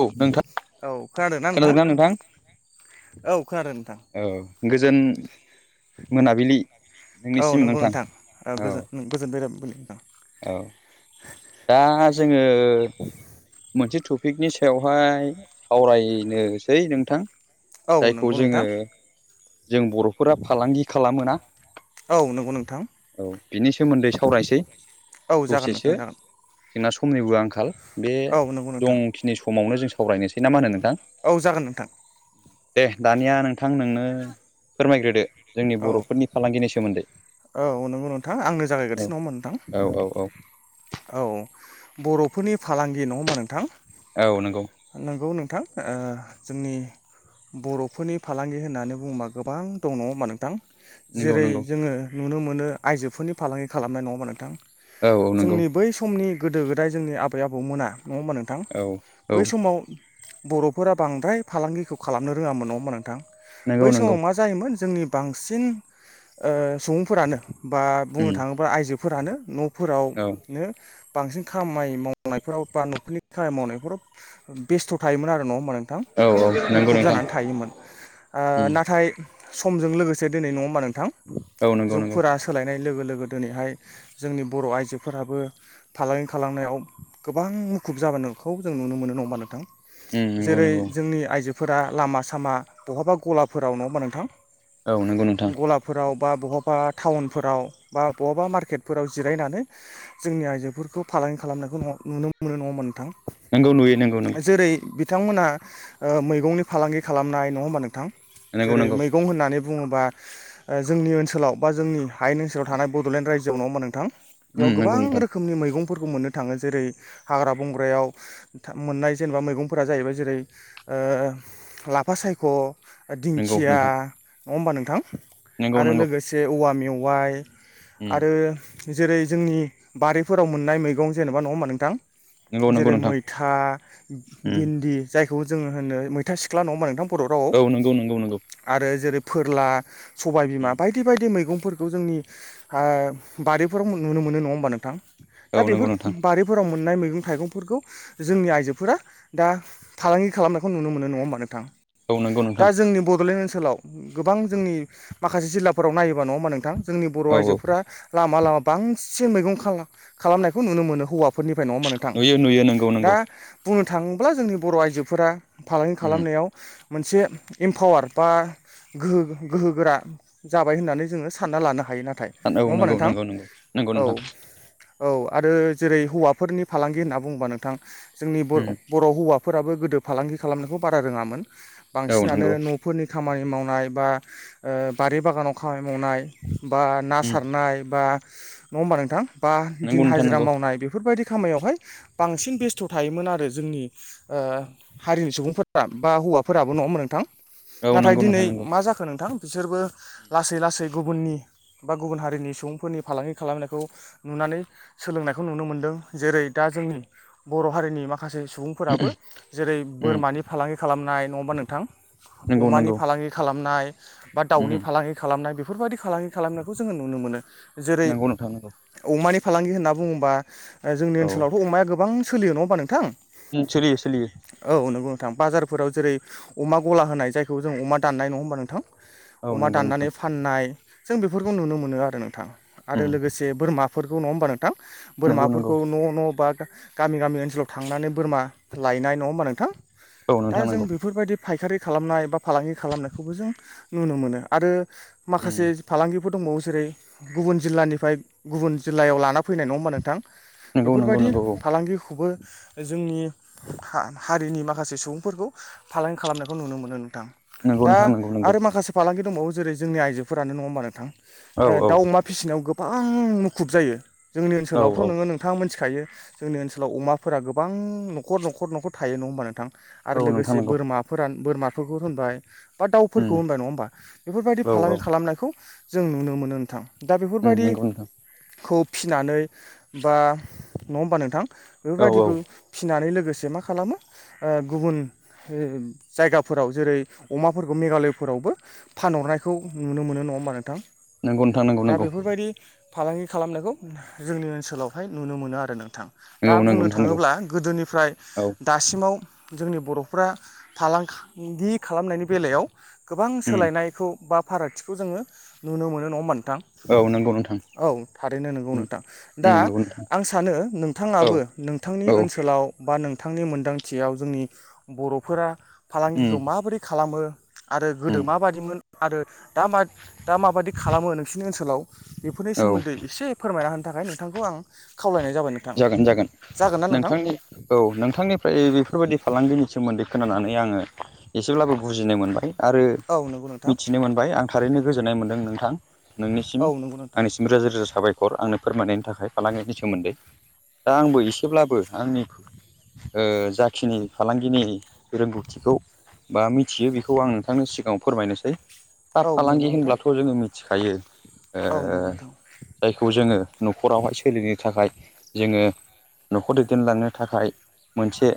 औ नोंथां औ खोनादोंना खोनादों ना नोंथां। औ खोनादों नोंथां औ गोजोन। मोनाबिलि औ नोंनिसिम नंगौ नोंथां ओ औ। गोजोन गोजोन बेराबलि नोंथां औ। दा जोङो। मोनसे टपिकनि सायावहाय सावरायनोसै नोंथां। औ जायखौ नंगौ जोङो नोंथां जों बर'फोरा फालांगि खालामोना। औ नंगौ नोंथां औ बिनि सोमोन्दै सावरायसै औ जागोन नोंथां दसेसो। जागोन जोंना समनिबो आंखाल बे। औ नंगौ नोंथां। खमावनो जों सावरायनोसै। ना मा होनो नोंथां औ जागोन नोंथां। दे दानिया नोंथां नोंनो फोरमायग्रोदो जोंनि औ बर'फोरनि फालांगिनि सोमोन्दै। औ नंगौ नोंथां आंनो औ जागायगोरनोसै नङा होनबा औ औ औ नोंथां औ। बर'फोरनि फालांगि नङा होमबा नोंथां। औ नंगौ। नोथां जोंनि बर'फोरनि फालांगि होननानै बुङोबा गोबां दङ' हा नोंथां नंगौ जेरै नंगौ जोङो नुनो मोनो आइजोफोरनि फालांगि खालामनाय नङा होनबा नोंथां। औ औ नंगौ जोंनि बै समनि गोदो गोदाय जोंनि आबै आबौमोना। नङा होमबा नोंथां औ औ बै समाव बर'फोरा बांद्राय फालांगिखौ खालामनो रोङामोन नङा होनबा नोंथां नंगौ बै नंगौ समाव मा जायोमोन जोंनि बांसिन ओ सुबुंफोरानो बा बुंनो उम थाङोब्ला आइजोफोरानो न' औ फोरावनो बांसिन खामानि मावनायफोराव बा न'खरनि खामानि मावनायफोराव बेस्थ' थायोमोन आरो नङा होमबा नोंथां औ औ नोंथां नंगौ मुखुब नोंथां जानानै थायोमोन उम नाथाय सम जों लोगोसे दिनै नङा होमबा नोंथां औ नंगौ नंगौ जुगफोरा सोलायनाय लोगो लोगो दिनैहाय जोंनि बर' आइजोफोराबो फालांगि खालामनायाव गोबां मुखुब जाबोनो खौ जों नुनो मोनो नङा होनबा नोंथां उम नंगौ जेरै नंगौ जोंनि आइजोफोरा लामा सामा बहाबा गलाफोराव नङा मा होनबा नोंथां? औ नंगौ नोंथां गलाफोराव बा बहबा टाउनफोराव बा बहाबा मार्केटफोराव जिरायनानै जोंनि आइजोफोरखौ फा लांगि खालामनायखौ नुनो मोनो नङा होनबा नोंथां नंगौ नुयो नंगौ नंगौ जेरै बिथांमोना ओ मैगंनि फालांगि खालामनाय नङा होमबा नोंथां नंगौ जेरै नंगौ मैगं होनना होननानै बुङोबा ओ जोंनि ओनसोलाव बा जोंनि हायेन ओनसोलाव थानाय बड'लेण्ड रायजोआव नङा होनबा नोंथां उम बेयाव नंगौ गोबां नोंथां रोखोमनि मैगं फोरफोरखौ मोननो थाङो जेरै हाग्रा बंग्रायाव मोननाय जेनेबा मैगंफोरा जाहैबाय जेरै ओ लाफा सायख' नंगौ दिंखिया नोंथां नङा होमबा नोंथां नंगौ आरो नंगौ लोगोसे औवा मेवाइ। उम आरो जेरै जोंनि बारिफोराव मोननाय मैगं जेनेबा नङा होमबा नोंथां। नंगौ नंगौ जेरै नोंथां मैथा उम भिन्दि जाय खौ जोङो होनो मैथा सिख्ला नङा होमबा नोंथां बर' रावआव औ नंगौ नंगौ नंगौ आरो जेरै फोरला। सबायबिमा उम बायदि बायदि मैगं। फोरखौ जोंनि हा बारिारिफोराव नुनो मोनो नङा होमबा नोंथां। औ दा नंगौ बेफोर नोंथां बारिफोराव मोन मोननाय मैगं थाइगंफोरखौ जोंनि आइजोफोरा दा फालांगि खालामनायखौ नुनो मोनो नङा होनबा नोंथां। औ नंगौ नोंथां दा जोंनि बड'लेण्ड ओनसोलाव गोबां जोंनि माखासे जिल्लाफोराव नायोबा नङा होनबा नोंथां जोंनि बर' औ औ आइजोफोरा लामा लामा। बांसिन मैगं खा खालामनायखौ नुनो मोनो हौवाफोरनिफ्राय नङा होनब नोंथां नुयो नुयो नंगौ दा नंगौ बुंनो थाङोब्ला जोंनि बर' आइजोफोरा फालांगि उम खालामनायाव मोनसे इमपावार बा गोहो गोहो गोरा जाबाय होननानै जोङो सानना लानो हायो नाथाय औ नंगौ नङा होमबा नंगौ नोंथां नंगौ नंगौ औ। नोंथां औ आरो जेरै हौवाफोरनि फालांगि होनना बुङोबा नोंथां जोंनि बर उम बर' हौवा। फोराबो गोदो फालांगि खालामनायखौ बारा रोङामोन औ बांसिनानो नंगौ न'फोरनि खामानि खामानि मावनाय बा ओ बारि बागानाव खामानि मावनाय बा ना उम सारनाय बा नङा होमबा नोंथां बा नंगौ दिन नोंथां हाजिरा नंगौ मावनाय बेफोरबायदि खामयावहाय बांसिन बेस्थ' थायोमोन आरो जोंनि ओ हारिनि सुबुंफोरा बा हौवाफोराबो नङामोन होनबा नोंथां औ नाथाय नंगौ नोंथां दिनै नंगौ मा जाखो नोंथां। बिसोरबो लासै लासै गुबुननि बा गुबुन हारिनि सुबुंफोरनि फालांगि खालामनायखौ नुनानै सोलोंनायखौ नुनो मोनदों जेरै दा जोंनि बर' हारिनि मा माखासे सुबुंफोराबो जेरै उम बोरमानि फालांगि खालामनाय नङाबा नोंथां। नंगौ अमानि नंगौ। फालांगि खालामनाय बा दाउनि उम फालांगि खालामनाय बेफोरबायदि फालांगि खालामनायखौ जोङो नुनो मोनो। जेरै नंगौ नोंथां नंगौ अमानि फालांगि होनना बुङोबा ओ जोंनि औ ओनसोलावथ' अमाया गोबां सोलियो नङाबा नोंथां। सोलियो सोलियो। औ नंगौ नोंथां बाजारफोराव जेरै अमा गला होनाय जायखौ जों अमा दाननाय नङा होनबा नोंथां। औ अमा नंगौ नोंथां दाननानै फाननाय जों बेफोरखौ नुनो मोनो आरो नोंथां आरो उम लोगोसे बोरमा फोरखौ नङा होमबा नोंथां नंगौ नंगौ बोरमाफोरखौ न' न' बा गामि गामि ओनसोलाव थांनानै बोरमा लायनाय नङा होमबा नोंथां औ दा नोंथां जों नंगौ बेफोरबायदि फायखारि खालामनाय बा फालांगि खालामनायखौबो जों नुनो मोनो आरो उम माखासे फालांगि फोर दंबावो जेरै गुबुन जिल्लानिफ्राय गुबुन जिल्लायाव लाना फैनाय नङा होमबा नोंथां। नंगौ नंगौ बेफोरबायदि नंगौ औ फालांगिखौबो जोंनि हा हारिनि माखासे सुबुंफोरखौ फालांगि खालामनायखौ नुनो मोनो नोंथां। नंगौ दा नोंथां नंगौ नंगौ आरो माखासे फालांगि दंबावो जेरै जोंनि आइजोफोरानो नङा होमबा नोंथां। औ ओ औ दाउ अमा फिसिनायाव गोबां मुखुब जायो जोंनि औ ओनसोलावथ' औ नोङो नोंथां मोन थायो जोंनि ओनसोलाव अमाफोरा गोबां न'खर न'खर न'खर थायो नङ होमबा नोंथां। आरो औ नोंथां लोगोसे नंगौ बोरमाफोर बोरमाफोरखौ होनबाय बा दाउफोरखौ उम होनबाय नङा होमबा बेफोरबायदि औ औ फालांगि खालामनायखौ जों नुनो मोनो नोंथां। दा उम नंगौ नोंथां बेफोरबायदिखौ फिनानै बा नङा होमबा नोंथां। औ औ बेफोरबायदिखौ फिनानै लोगोसे मा खालामो ओ गुबुन जायगाफोराव जेरै अमाफोरखौ मेघालयफोरावबो फानहरनायखौ नुनो मोनो नङा होमबा नोंथां। नंगौ नोंथां नांगौ दा नंगौ। बेफोरबायदि फालांगि खालामनायखौ जोंनि ओनसोलावहाय नुनो मोनो आरो नोंथां। दा नंगौ नंगौ बुंनो नोंथां नंगौ थाङोब्ला गोदोनिफ्राय औ दासिमाव जोंनि बर'फ्रा फालांगि खालामनायनि बेलायाव गोबां उम सोलायनायखौ बा फारागथिखौ जोङो नुनो मोनो होनबा नोंथां औ नंगौ नोंथां औ थारैनो नंगौ उम नोंथां उम दा नंगौ नोंथां आं सानो नोंथाङाबो औ नोंथांनि औ ओनसोलाव बा नोंथांनि मोनदांथियाव जोंनि बर'फोरा उम फालांगिखौ माबोरै खालामो आरो गोदो उम माबायदिमोन आरो दा माबादि खालामो नोंसिोरनि ओनसोलाव बेफोरनि औ सोमोन्दै एसे फोरमायना होनो थाखाय नोंथांखौ आं खावलायनाय जाबाय नोंथां जागोन जागोन जागोन ना नोंथां नोंथांनि औ नोंथांनिफ्राय बेफोरबायाददि फालांगिनि सोमोन्दै खोनानानै आङो एसेब्लाबो बुजिनो मोनबाय आरो औ नंगौ नोंथां मिथिनो मोनबाय आं थारैनो गोजोननाय मोनदों नोंथां नोंनिसिम औ नंगौ नोंथां आंनिसिम रोजा रोजा साबायखर आंनो फोरमायनायनि थाखाय फालांगिनि सोमोन्दै। दा आंबो एसेब्लाबो आंनि जाखिनि फालांगिनि रोंगौथिखौ बा मिथियो बेखौ आं नोंथांनि सिगाङाव फोरमायनोसै दा औ फालांगि नंगौ नोंथां होनब्लाथ' जोङो मिथिखायो ओ औ नंगौ नोंथां जायखौ जोङो न'खरावहाय सोलिनो थाखाय जोङो न'खौर दैदेनलांनो थाखाय मोनसे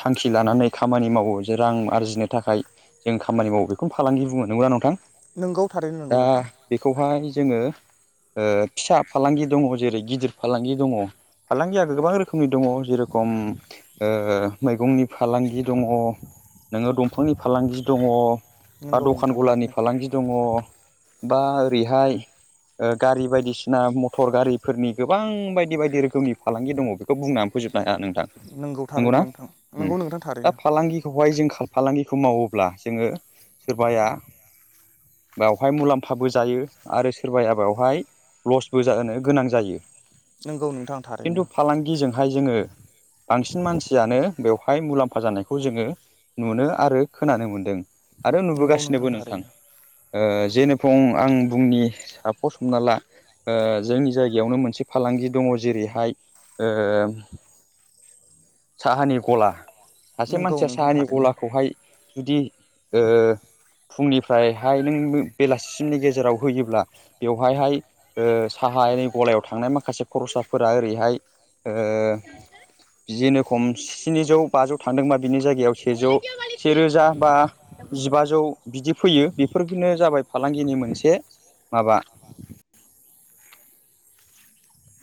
थांखि लानानै खामानि मावो जे रां आरजिनो थाखाय जों खामानि मावो बेखौनो फालांगि बुंनो नंगौ ना नोंथां नोंगौ थारैनो नंगौ दा नोंथां बेखौहाय जोङो फिसा फालांगि दङ जेरै गिदिर फालांगि दङ फालांगिया गोबां रोखोमनि दङ जेरखम मैगंनि फालांगि दङ नोङो दंफांनि फालांगि दङ बा नोंगौ दखान नोंथां गलानि थारैनो फालांगि दङ बा ओरैहाय गारि बायदिसिना मथर गारिफोरनि गोबां बायदि बायदि बायदि रोखोमनि फालांगि दङ बेखौ बुंनानै फोजोबनो हाया नोंथां। नोंगौ थारैनो नंगौनाा नोंथां नोंगौ नोंथां दा थारैनो फालांगिखौहाय जों फालांगिखौ मावोब्ला जोङो सोरबाया बेवहाय मुलाम्फाबो जायो आरो सोरबाया बेवहाय लसबो जानो गोनां जायो। नोंगौ नोंथां थारैनो खिन्थु फालांगिजोंहाय जोङो बांसिन मानसियानो बेवहाय बेाय मुलाम्फा जानायखौ जोङो नुनो आरो खोनानो मोन्दों आरो नोंगौ नुबोगासिनोबो नोंथां। थारैनो जेनेखं आं बुंनि साफर सोमना ला जोंनि जायगायावनो मोनसे फालांगि दङ जेरैहाय साहानि गला सासे नोंगौ मानसिया नोंथां साहानि थारैनो गलाखौहाय जुदिओ फुंनिफ्रायहाय नों बेलासिसिमनि गेजेराव होयोब्ला बेवहायहाय साहा बाहाय नै गलायाव थांनाय माखासे खरसाफोरा ओरैहाय बिदिनोखम स्निजौ बाजौ थांदोंबा बिनि जायगायाव सेजौ सेरोजा बा जिबाजौ बिदि फैयो बेफोरनो जाबाय फालांगिनि मोनसे माबा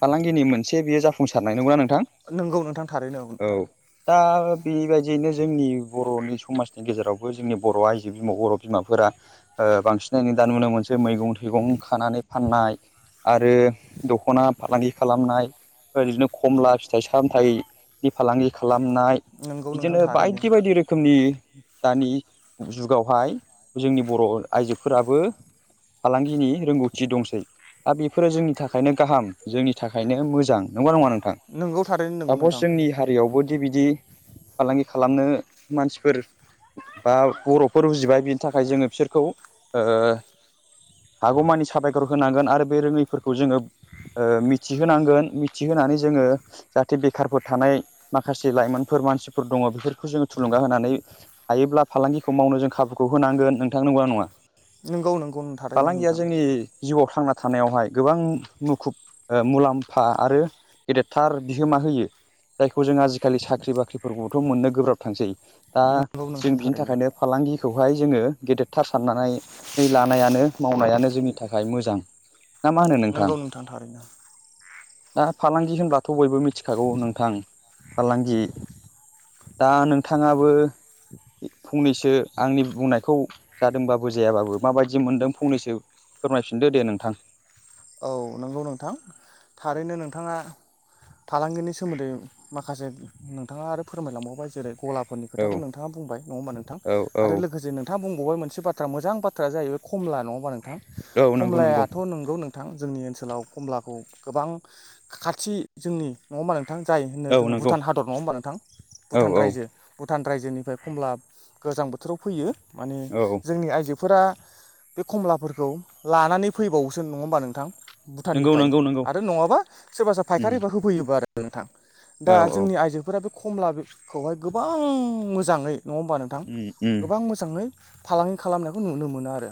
फालांगिनि मोनसे बेयो जाफुंसारनाय नङागौना नों थां नोंगौ नोंथां थारैनो औ नोंथां दा बेबायदियैनो जोंनि बरनि समाजनि गेजेरावबो जोंनि बर आइजो बिम बर बिमाफोरा ओ बांसिनानो दा नुनो मोनसै मैगं थाइगं खानानै फाननाय आरो दखना फालांगि खालामनाय ओदिनो खमला फिथाइ सामथाइनि फालांगि खालामनाय [unintelligible] फनाय नोंगौ नोंथां बिदिनो थारैनो बायदि बायदि रोखोमनि दानि जुगावहाय जोंनि बर आइजोफोराबो फालांगिनि रोंगौथि दंसै दा बेफोरो जोंनि थाखायनो गाहाम जोंनि थाखायनो मोजां नंगौना नङा नोंथां नोंगौ थारैनो नोंगौ सापस नोंथां जोंनि हारियावबोदि बिदि फालांगि खालामनो मानसिफोर बा बरफोर उजिबाय बिनि थाखाय जोङो बिसोरखौ ओ हागौमानि साबायखर होनांगोन आरो बे रोङैफोरखौ जोङो ओ मिथिहोनांगोन मिथिहोनानै जोङो जाहाथे बेखारफोर थानाय माखासे लाइमोनफोर मानसिफोर दङ। बेफोरखौ जोङो थुलुंगा होनानै हायोब्ला फालांगिखौ मावनो जों खाबुखौ होनांगोन। नोंथां नंगौना नङा? नोंगौ नोंगौ थारैनो फालांगिया नोंथां जोंनि जिउआव थांना थानायावहाय गोबां मुखुब ओ मुलाम्फा आरो गेदेरथार बिहोमा होयो। जायखौ जों आजिखालि साख्रि बाख्रिफोरखौबोथ मोननो गोब्राब थांसै दा नोंगौ जों नोंथां बिनि थारैनो थाखायनो फालांगिखौहाय जोङो गेदेर थार सारनानै लानायानो मावनायानो जोंनि थाखाय मोजां। ना मा होनो नंगौ नोंथां थारैनो। दा फालांगि होनब्लाथ बयबो मिथिखागौ नोंथां। फालांगि दा नोंथाङाबो फंनैसो आंनि बुंनायखौ जादोंबाबो जायाबाबो माबायदि मोनदों? फंनैसो फोरमायफिनदो दे नोंथां। औ नंगौ नोंथां। थारैनो नोंथाङा फालांगिनि सोमोन्दै माखासे नोंथाङा आरो फोरमायलांबावबाय जेरै गलाफोरनि औ खोथाखौ नोंथाङा बुंबाय नङा हबा नोंथां। औ औ लोगोसे नोंथाङा बुं बेयाव मोनसे बाथ्रा मोजां बाथ्रा जाहैबाय खमला नङा होमा नोंथां? औ नंगौ नंगौ खमलायाथ नोंगौ नोंथ थां जोंनि ओनसोलाव कमलाखौ गोबां खाथि जोंनि नङा होबा जा होन औ जो नंगौ भुटान हादर नङा होनबा नोंथां? औ भुटान औ रायजो भुटान रायजोनिफ्राय खमला गोजां बोथोराव फैयो। माने औ जोंनि आयजो फोरा बे खमलाफोरखौ लानानै फैबावोसो नङा होमबा नोंथां? नंगौ भुटाननिफ्राय नंगौ नंगौ आरो नङाबा सोरबा सोरबा उम फायखारिफोर होफैयोबो आरो नोंथां। दा औ औ जोंनि आइजोफोरा बे खमलाखौहाय गोबां मोजाङै नङा होमबा नोंथां। उम उम गोबां मोजाङै फालांगि खालामनायखौ नुनो मोनो आरो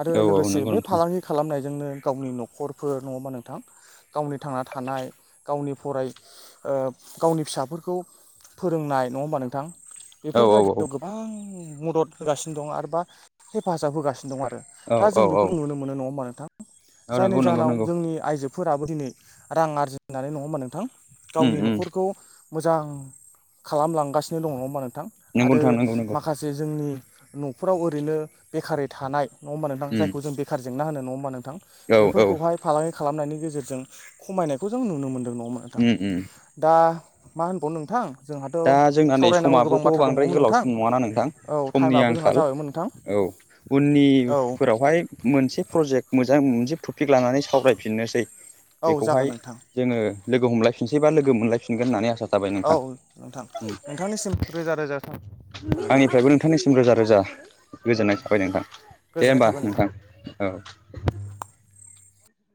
आरो औ औ लोगोसे नंगौ बे नोंथां फालांगि खालामनायजोंनो गावनि नख' रहरफोर नङबा नोंथां। गावनि थांना थानाय गावनि फराय गावनि फिसाफोरखौ फोरोंनाय नङा होमबा नोंथां? औ औ औ बेफोरबायदियाव गोबां मदद होगासिनो दं आरो बा हेफाजाब होगासिनो दं आरो औ दा औ जों औ बेफोरखौ नुनो मोनो नङा होमबा नोंथां? औ जायनि नंगौ नंगौ जाहोनाव नंगौ जोंनि आइजोफोराबो दिनै रां आरजिनानै नङामोन नोंथां। उम गावनि उम नखरखौ मोजां खालामलांगासिनो दङ नङा होनबा नों? थां नंगौ आरो नोंथां नंगौ नंगौ माखासे जोंनि नखराव ओरैनो बेखारै थानाय नङा हबा नोंथां? उम जखौ जों बेखार जेंना होनो नङा हबा नोंथां? औ औ बेफोरखौहाय फालांगि खालामनायनि गेजेरजों खमायनायखौ जों नुनो मोनदों नङा होबा नोंथां? उम उम दा मा होनबाव नोंथां जोंहाथ' दा जोंना नै सावरायनांगौ गोबां समाबोथ बाथ्रा बांद्राय दंबावोमोन गोलाव नोंथां सम नङाना नोंथां? औ समनि टाइमाबो जोंहा आंखाल जाबायमोन नोंथां उननि औ फोरावहाय मोनसे प्रजेक्ट मोजां मोनसे टपिक लानानै सावरायफिननोसै औ बेखौहाय जागोन नोंथां जोङो लोगो हमलायफिनसै बा लोगो मोनलायफिनग होननानै आसा थाबाय औ नोंथां नोंथां नोंथांनिसिम रोजा रोजा थाबाय। आंनिफ्रायबो नोंथांनिसिम रोजा रोजा औ गोजोननाय थाबाय नोंथां दे गोजोननाय होमबा थाबाय नोंथां औ।